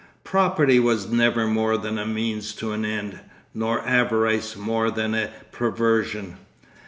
Property was never more than a means to an end, nor avarice more than a perversion.